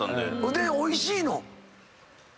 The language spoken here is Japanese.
でおいしいの？